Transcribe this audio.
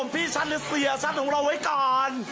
พี่ฉันเสียชัดของเราไว้ก่อน